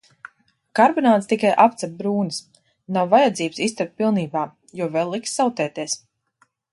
Karbonādes tikai apcep brūnas, nav vajadzības izcept pilnībā, jo vēl liks sautēties.